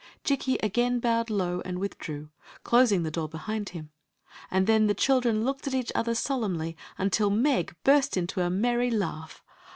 Jikki again bowed low and withdrew, closing the door behind him, and then the children ki^ed at each other solemnly, until Meg burst into a merry laugh.